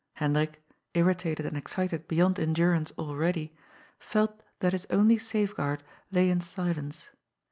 Hendrik, irritated and excited be yond endurance already, ielt that his only safeguard lay in silence.